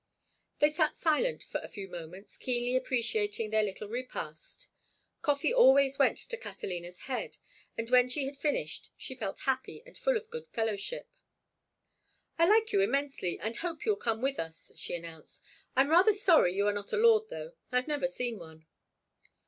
They sat silent for a few moments, keenly appreciating their little repast. Coffee always went to Catalina's head, and when she had finished she felt happy and full of good fellowship. "I like you immensely, and hope you'll come with us," she announced. "I'm rather sorry you are not a lord, though. I've never seen one."